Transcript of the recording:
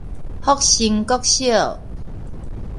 福星國小